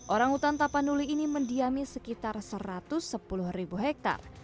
orangutan tapanuli ini mendiami sekitar satu ratus sepuluh ribu hektare